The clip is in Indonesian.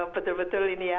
betul betul ini ya